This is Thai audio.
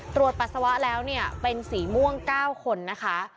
ปัสสาวะแล้วเนี่ยเป็นสีม่วง๙คนนะคะ